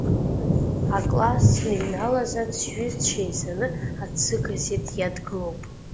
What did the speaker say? Акласс сныҩналазар, сҩызцәа еизаны аҭӡыгазеҭ иадгылоуп.